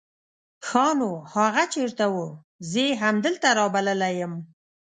ښا نو هغه چېرته وو؟ زه يې همدلته رابللی يم.